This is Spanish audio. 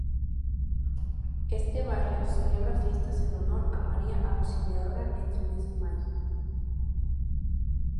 Este barrio celebra fiestas en honor a María Auxiliadora en el mes de mayo.